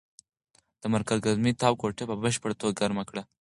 د مرکز ګرمۍ تاو کوټه په بشپړه توګه ګرمه کړه.